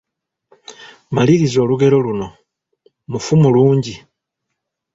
Maliriza olugero luno, Mufu mulungi, ……